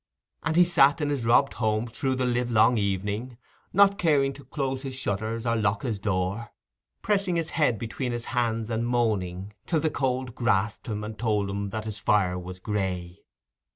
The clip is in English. And he sat in his robbed home through the livelong evening, not caring to close his shutters or lock his door, pressing his head between his hands and moaning, till the cold grasped him and told him that his fire was grey.